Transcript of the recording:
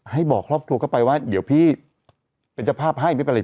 ให้บอกครอบครัวเข้าไปว่าเดี๋ยวพี่เป็นเจ้าภาพให้ไม่เป็นไร